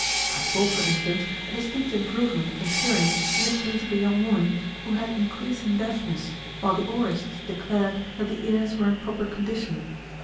I saw, for instance, a distinct improvement in hearing in the case of a young woman who had increasing deafness while the aurists declared that the ears were in proper condition.